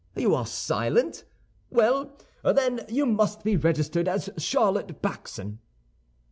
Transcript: You are silent? Well, then you must be registered as Charlotte Backson."